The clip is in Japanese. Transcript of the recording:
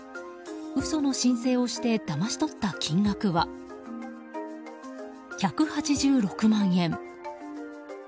嘘の申請をしてだまし取った金額は１８６万円。